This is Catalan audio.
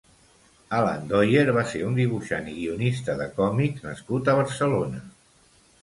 Alan Doyer va ser un dibuixant i guionista, de còmics nascut a Barcelona.